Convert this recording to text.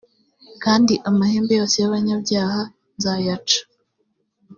kandi amahembe yose y abanyabyaha nzayaca